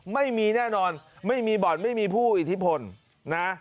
ไม่มีแน่นอนไม่มีบ่อนไม่มีผู้อิทธิพลนะ